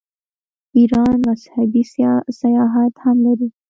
ایران مذهبي سیاحت هم لري.